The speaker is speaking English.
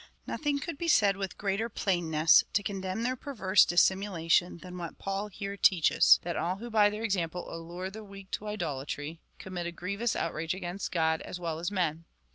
Nothing could be said with greater plainness to condemn their perverse dis simulation than what Paul here teaches — that all who by their example allure the weak to idolatry, commit a grievous outrage against God as well as men.